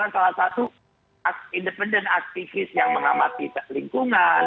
salah satu aktivis independen yang mengamati lingkungan